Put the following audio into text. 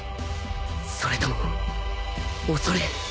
それとも恐れ